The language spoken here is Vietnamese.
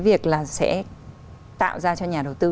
việc là sẽ tạo ra cho nhà đầu tư